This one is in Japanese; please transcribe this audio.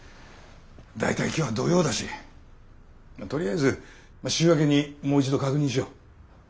大体今日は土曜だしとりあえず週明けにもう一度確認しよう。